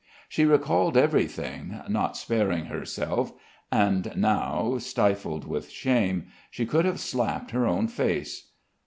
She recalled everything, not sparing herself, and now, stifled with shame, she could have slapped her own face.